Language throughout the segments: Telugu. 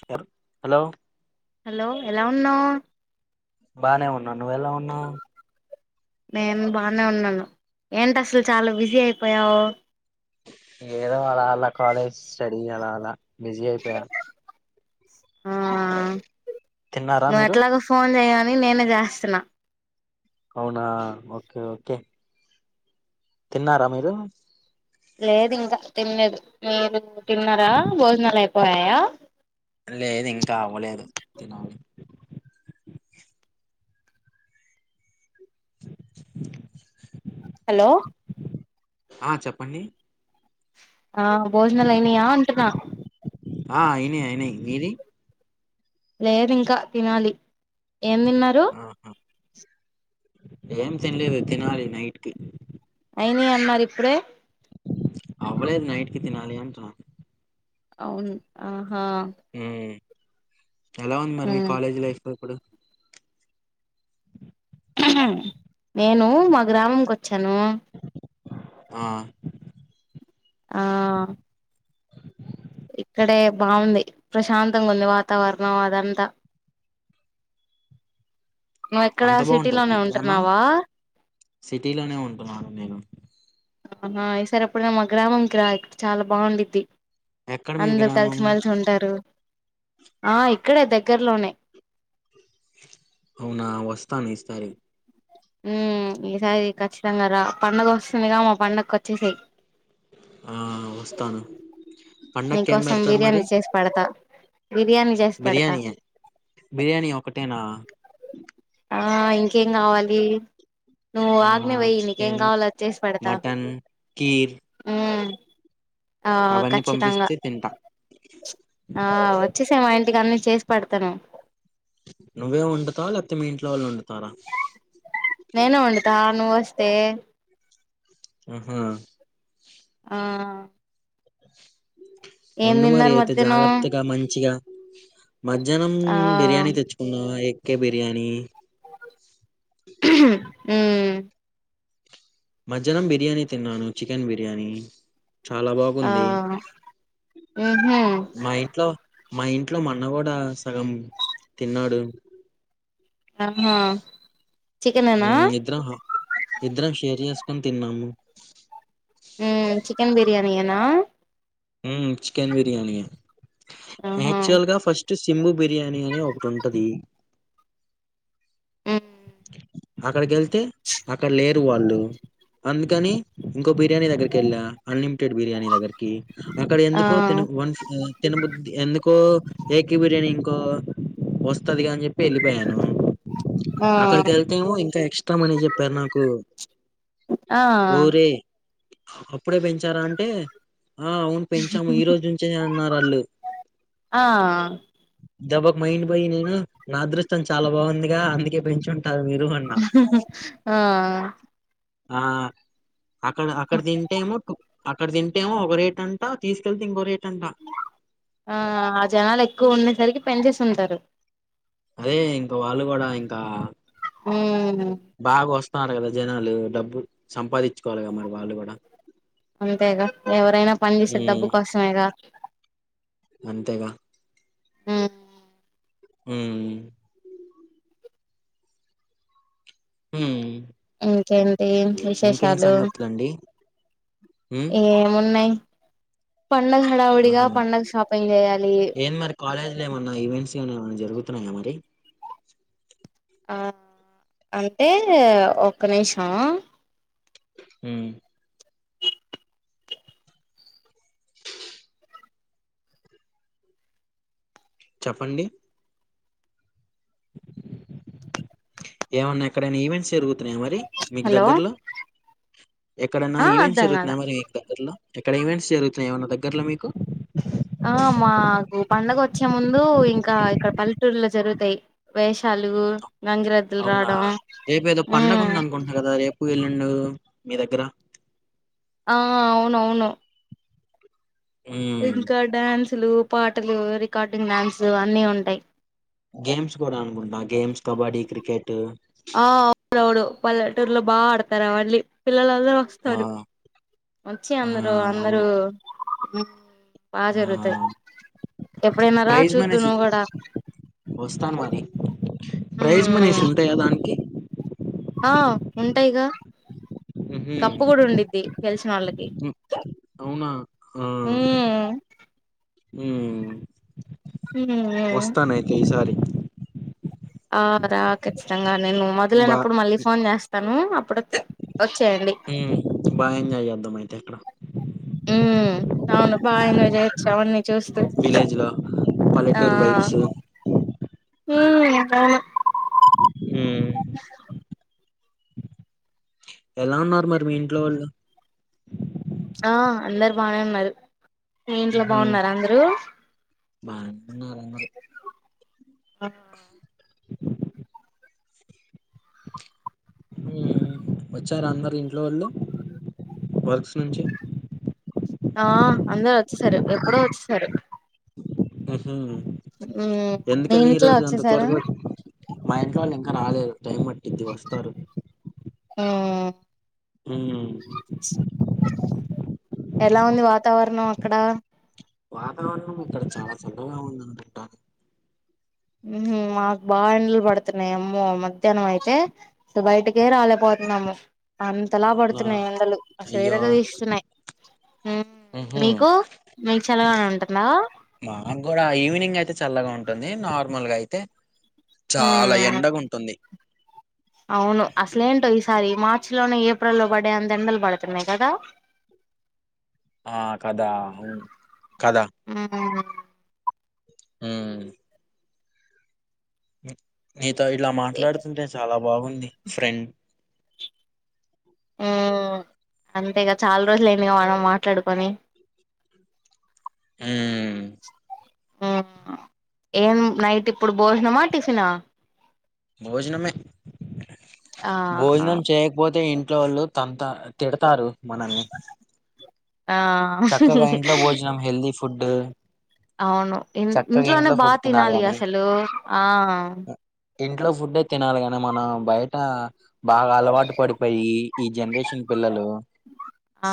సార్ హలో హలో ఎలా ఉన్నావు బానే ఉన్నా నువ్వెలా ఉన్నావ్ నేను బానే ఉన్నాను ఏంటి అసలు చాలా బిజీ అయిపోయావు ఏదో అలా అలా కాలేజ్ స్టడీ అలా అలా బిజీ అయిపోయా ఆ తిన్నారా నువ్ మీరు ఎట్లగో ఫోన్ చేయ అని నేనే చేస్తున్నా అవునా ఓకే ఓకే తిన్నారా మీరు లేదు ఇంకా తినలేదు మీరు తిన్నారా భోజనాలు అయిపోయాయా లేదు ఇంకా అవ్వలేదు తినాలి హలో ఆ చెప్పండి ఆ భోజనాలు అయినాయా అంటున్నా ఆ అయినాయి అయినాయి మీది లేదు ఇంకా తినాలి ఏం తిన్నారు ఆహా ఏం తినలేదు తినాలి నైట్కి అయింది అన్నారు ఇప్పుడే అవలేదు నైట్ కి తినాలి అంటున్న అవును ఆహా మ్మ్ ఎలా ఉంది మరి మీ ఉమ్. కాలేజ్ లైఫ్ తో ఇప్పుడు నేను మా గ్రామంకి వచ్చాను ఆ ఆ ఇక్కడే బాగుంది ప్రశాంతంగా ఉంది వాతావరణం అదంతా నువ్ ఎక్కడ అంత బాగుంటది మీ సిటీలోనే గ్రామం ఉంటున్నావా సిటీలోనే ఉంటున్నాను నేను ఆహా ఈ సార్ ఎప్పుడైన మా గ్రామంకి రా ఇక్క చాలా బాగుండిది ఎక్కడ మీ అందరు కలిసి గ్రామం మలిసి ఉంటారు ఆ ఇక్కడే దగ్గరలోనే అవునా వస్తాను ఇస్తారి ఉ ఈసారి ఖచ్చితంగా రా పండగ వస్తుందిగా మా పండకోచ్చేసేయి ఆ వస్తాను పండకి ఏం నీకోసం పెడతారు మరి బిర్యానీ చేసి పెడతా బిర్యానీ చేసి పెడతా బిర్యానీయ బిర్యానీ ఒకటేనా ఆ ఇంకేం కావాలి నువ్వు ఆ ఆజ్ఞ వేయి నీకేం చికెన్ కావాలో అది చేసి పెడతా మటన్ కీర్ ఉమ్ ఆ అవన్నీ ఖచ్చితంగా పంపిస్తే తింటా ఆ వచ్చేసెయి మా ఇంటికి అన్ని చేసి పెడతాను నువ్వే వండుతావ్ లేకపోతే మీ ఇంట్లో వాళ్ళు వండుతారా నేనే వండుతా నువొస్తే ఆహా ఆ ఏం వండు మరి తిన్నారు అయితే మధ్యాహ్నం జాగ్రత్తగా మంచిగా మధ్యాహ్నం ఆ బిర్యానీ తెచ్చుకుందామ ఎక్కే బిర్యానీ ఉమ్ మధ్యాహ్నం బిర్యానీ తిన్నాను చికెన్ బిర్యానీ చాలా ఆ బాగుంది ఉహు మా ఇంట్లో మా ఇంట్లో మాఅన్న కూడా సగం తిన్నాడు ఆహా చికెనేనా ఉమ్ ఇద్దరం ఇద్దరం షేర్ చేసుకొని తిన్నాము ఉమ్ చికెన్ బిర్యానీ ఏనా ఉమ్ చికెన్ బిర్యానీ ఏ ఆహా యాక్చువల్ గా ఫస్ట్ సింబు బిర్యానీ అని ఒకటి ఉంటది ఉమ్ అక్కడకెళ్తే అక్కడ లే దు వాళ్ళు అందుకని ఇంకో బిర్యానీ దగ్గరికి వెళ్ళా అని బిర్యానీ దగ్గరకి అక్కడ ఆ ఎందుకో తినబు వన్స్ తినబుద్ధి ఎందుకో ఎకి బిర్యా నేను ఇంకో వస్తదిగా అని చెప్పి వెళ్ళిపోయాను ఆ అక్కడికి వెళ్తేమో ఇంకా ఎక్స్ట్రా మనీ చెప్పారు నాకు ఆ ఊరే అప్పుడే పెంచారా అంటే ఆ అవును పెంచాము ఈ రోజు నుంచే అన్నారు అళ్ళు ఆ దెబ్బకి మైండ్ పోయి నేను నా అదృష్టం చాలా బాగుందిగా అందుకే పెం ఆ ఆ అక్కడ అక్కడ తింటే ఏమో అక్కడ తింటేమో ఒక రేట్ అంటా తీసుకెళ్తే ఇంకో రేట్ అంట ఆ జనాలు ఎక్కువ ఉండేసరికి పెంచేసి ఉంటారు అదే ఇంకా వాళ్ళు కూడా ఇంకా ఉమ్ బాగా వస్త వన్నారు కదా జనాలు డబ్బు సంపాదించుకోవాలిగా మరి వాళ్ళు కూడా అంతేగా ఎవరైనా పని చేసేది డబ్బు ఉమ్ కోసమేగా అంతేగా మ్ హ్మ్ హ్మ్ ఇంకేంటి విశేషాలు సంగతులండి ఉమ్ ఏమున్నాయి. పండగ ఆఁ హడావుడిగా హా పండగ షాపింగ్ చేయాలి ఏం మరి కాలేజ్లో ఏమన్నా ఈవెంట్స్ ఏమన జరుగు తున్నాయ మరి ఆ అంటే ఒక్క నిమిషం మ్ చెప్పండి ఏమన్న ఎక్కడైనా ఈవెంట్స్ జరుగు తున్నయ మరి మీకు హలో దగ్గర్లో. ఎక్కడైన ఆ ఈవెంట్స్ అర్ధం కాల జరుగుతున్నాయ మరి మీకు దగ్గర్లో? ఎక్కడ ఈవెంట్స్ జరుగుతున్నాయ ఏమన దగ్గర్లో మీకు? ఆ మాకు పండగ వచ్చే ముందు ఇంకా ఇక్కడ పల్లెటూర్లలో జరుగుతయి వేషాలు, గంగిరెద్దులు అవునా రావడం మ్మ్ అండు మీ దగ్గరా ఆ అవునవును ఉమ్ ఇంకా డ్యాన్సులు పాటలు రికార్డింగ్ డ్యాన్సు అన్ని ఉంటాయి. గేమ్స్ కూడా అనుకుంటా గేమ్స్ కబడ్డీ క్రికెట్ ఆ అవునవుడు పల్లెటూరులో బాగా ఆడతారు అవన్నీ పిల్లలందరూ ఆ వస్తరు వచ్చి ఆ అందరు అందరు అవును మ్మ్ బా ఆ జరుగుతది ఎప్పుడైన్న రా ప్రైజ్ చూద్దు మనీస్ నువు గూడ వస్తాను మరి ప్రైజ్ మనీస్ ఉంటాయా దానికి? ఆ ఉంటాయి గా. ఉహు కప్పు కూడా ఉండిద్ది గెలిసిన వాళ్ళకి. ఉమ్ అవునా ఆ ఉమ్ మ్మ్ వస్తాను అయితే ఈసారి. ఆ రా ఖచ్చితంగా నేను మొదలైనప్పుడు మళ్ళీ ఫోన్ చేస్తాను అప్పుడు వచ్చేయండి మ్మ్ బా ఎంజాయ్ చేద్దాం అయితే అక్కడ. మ్ అవును బాగ ఎంజాయ్ చేయచ్చు అవన్నీ. చూస్తూ విలేజ్ లో పల్లెటూరు ఆఁ వైబ్స్ మ్మ్ అవును ఉమ్ ఎలా ఉన్నారు మరి మీ ఇంట్లో వోళ్ళు? ఆ అందరు బాగానే ఉన్నారు. మీ ఇంట్లో బాగున్నారా అందరూ? బాగానే ఉన్నారు అందరు ఆ చూ అ వచ్చారా అందరు ఇంట్లో వోళ్ళు వర్క్స్ నుంచి ఆ అందరు వచ్చేసారు. ఎప్పుడో వచ్చేసారు. మ్మ్ హు ఉమ్ మీ ఎందుకని ఈ ఇంట్లో రోజు అంత వచ్చేసారా త్వరగ మా ఇంట్లో వాళ్ళు ఇంకా రాలేదు టైం పట్టిది వస్తారు. మ్మ్ హ్మ్ ఎలా ఉంది వాతావరణం ఎక్కడ వాతావరణం ఇక్కడ చాలా చల్లగా ఉందనుకుంటా. మ్ మాకు బాగా ఎండలు పడుతున్నాయి. అమ్మో మధ్యాహ్నం అయితే స బయటికే రాలేపో యినము, అంతలా అవునా పడుతున్నాయి ఎండలు అసలు అయ్యో ఇరగ తీస్తున్నాయి. మ్ ఉహూ మీకు మీకు చల్లగానే ఉంటుందా? మా గూడ ఈవినింగ్ అయితే చల్లగ ఉం టుంది నార్మల్గ అయితే చాల ఉమ్ ఎండగా ఉంటుంది అవును అసలేంటో ఈసారి మార్చి లోనే ఏప్రిల్ లో పడ్డే అంత ఎండలు పడుతున్నాయి కదా క ఆ కదా కద ఉమ్ ఉ నీతో ఇలా మాట్లాడుతుంటే చాల బాగుంది ఫ్రెండ్ ఉ అంతేగా చాల రోజులు అయ్యింది కద మనం మాట్లాడుకొని ఉ ఆ ఏం నైట్ ఇప్పుడు భోజనమా టిఫిన భోజనమే ఆ భోజనం చేయకపోతే ఇంట్లో వోళ్ళు తంత తిడతారు మనల్ని చక్కగా ఆ ఇంట్లో భోజనం హెల్దీ ఫుడ్ అవును ఇ చక్కగా ఇంట్లోనే ఇంట్లో బా ఫుడ్ తినాలి కాని అసలు ఆ ఇంట్లో ఫుడ్డే తినాలి కాని మనం బయట బాగ అలవాటు పడిపోయి ఈ జనరేషన్ పిల్లలు ఆ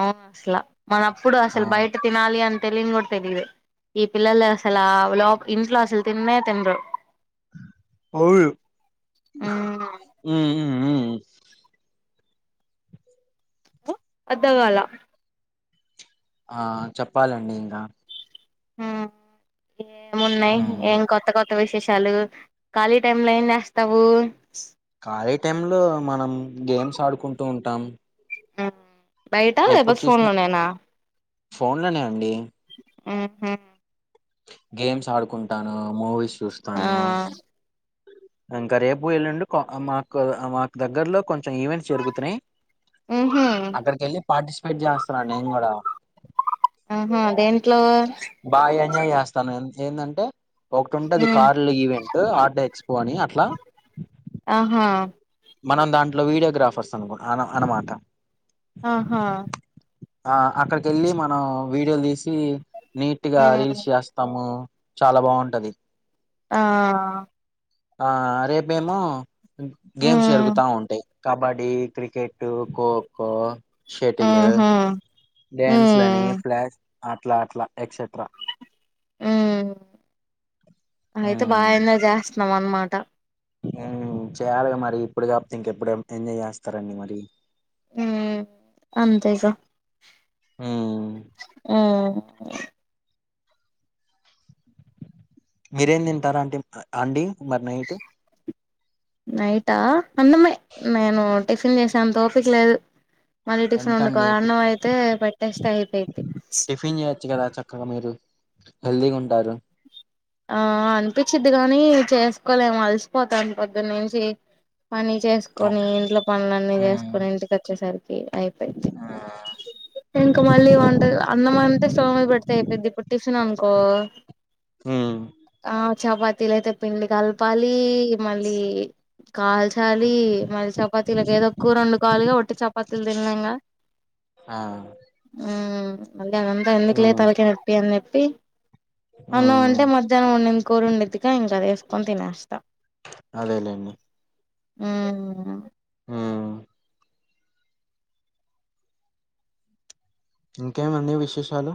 అవును అసల మన అప్పుడు ఆ అసలు బయట తినాల అంత తెలిని కూడ తెలిదు ఈ పిల్లలు అసలు ఆ లో ఇంట్లో అసలు తిన్నే తినరు హు మ్మ్ హు అర్ధంకాల ఆ చెప్పాలండి ఇంగ ఏమున్నాయి ఉమ్ ఏం కొత్త కొత్ విశేషాలు కాలి టైమ్ లో ఏంచేస్తావు కాలేజ్ టైమ్ లో మనం గేమ్స్ ఆడుకుంటు ఉంటాం బయట లే పోతే ఫోన్ లోనేనా ఫోన్ లోనే అండి ఆహా గేమ్స్ ఆడుకుంటాను మూవీస్ ఆ చూస్తాను ఇంకా రేపు ఎల్లుండి మాకు మాకు దగ్గర్లో కొంచెం ఈవెంట్స్ జరుగుతున్నాయి మ్మ్ హ్మ్ అక్కడికి వెళ్ళి పార్టిసిపేట్ చేస్తాన నేను కూడ ఆహా దేంట్లో బాగ ఎంజాయ్ చేస్తాను ఎందంటే ఒకటి ఉంటే అది మ్మ్ కార్లో ఇవె ఆటో ఎక్స్పో అని అట్ల ఆహా మనం దాంట్లో వీడియోగ్రాఫర్స్ అన అనమాట ఆహా ఆ అక్కడికి వెళ్ళి మనం వీడియోలు తీసి నీట్గ మ్మ్ రీల్స్ చేస్తాము చాలా బాగుంటది ఆ ఆ రేపు మేము గేమ్స్ హ్మ్ జరుగుతా ఉంటాయి కబడ్డీ క్రికెట్ ఖోఖో శెటిలు ఊహూ డ్యాన్స్ లని హ్మ్ ఫ్లా అట్ల అట్ల అయితే బాగ హ్మ్ ఎంజాయ్ చేస్తున్నావు అనమాట చేయాలిగా మరి ఇప్పుడు కాకపోతే ఇంకెప్పుడు ఎంజాయ్ చేస్తారండి మరి అంతేగ హు ఆ మీరేం తింటార [unintelligible] అండి మరి నైట్ నైటా అన్నమే నేను టిఫిన్ చేసే అంతే ఓపిక లేదు మళ్ళీ టిఫిన్ వండుకో ఎందుకండి టి- అన్నం అయితే పేట్టేస్తే అయిపోయిది టిఫిన్ చేయొచ్చు కదా చక్కగా మీరు హెల్దీగా ఉంటారు ఆ అనిపించిద్ది గాని చేసుకోలేం అలసిపోతాను పొద్దు నుంచి పని చేసుకొని అవును ఇంట్లో పనులన్నీ హ్మ్ చేసుకొని ఇంటికి వచ్చేసరికి అయిపోది ఇంకా మళ్ళీ ఇ వంట అన్నము అంటే స్టవర్ మీద పెడితే అయిపోయిద్ది ఇప్పుడు టిఫిన్ అనుకో ఆ చపాతీలు అయితే పిండి కలపాలి మళ్ళీ కాల్చాలి మళ్ళీ చపాతీలాకి ఏదోక కూర వండుకోవాలిగా ఉత్త చపాతీలు తినాలేమూగ ఆ హ్మ్మ్ మళ్ళీ అదంతా ఎందుకులే హ్మ్ తలకి నొప్పి అని చెప్పి అన్నాము హ్మ్ అంటే మధ్యాహ్నం ఉండిన కూరుండెదిగా ఇంకా అది వేసుకొని తినేస్తాం అదేలేండి హ్మ్మ్ హ్మ్ ఇంకేమండి విశేషాలు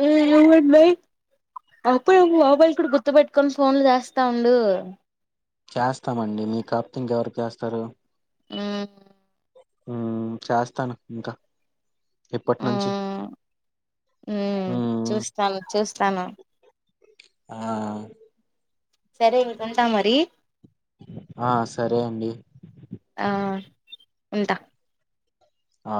హ్మ్మ్ వి విల్ వెయిట్ అప్పుప్పు మొబైల్ కూడా గుర్తు పెట్టుకొని ఫోన్లు చేస్తా ఉండు చేస్తామండి మీకు కాకపోతే ఇంక ఎవరికి చేస్తారు ఆ చేస్తాను పక్కా ఇప్పటి నుంచి మ్మ్ మ్మ్ హ్మ్మ్ చూస్తాను చూస్తాను ఆ సరే ఇంక ఉంటా మరి ఆ సరే అండి ఆ ఉంటా ఆ